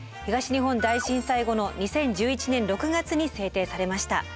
東日本大震災後の２０１１年６月に制定されました。